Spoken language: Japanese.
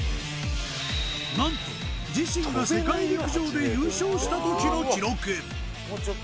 何と自身が世界陸上で優勝した時の記録